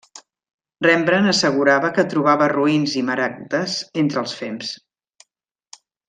Rembrandt assegurava que trobava robins i maragdes entre els fems.